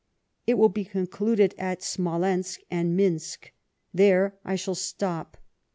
It will be concluded at Smolensk and Minsk. There I shall stop.